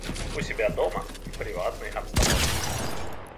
у себя дома, в приватной обстановке.